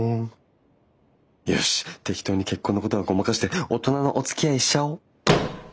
よし適当に結婚のことはごまかして大人のおつきあいしちゃおう。